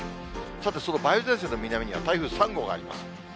さて、その梅雨前線の南には台風３号があります。